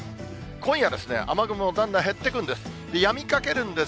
今夜ですね、雨雲、だんだん減ってくるんです。